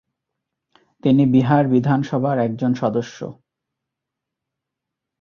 তিনি বিহার বিধানসভার একজন সদস্য।